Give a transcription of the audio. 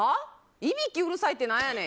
いびきがうるさいって何やねん！